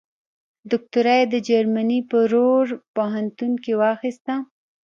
دوکتورا یې د جرمني په رور پوهنتون کې واخیسته.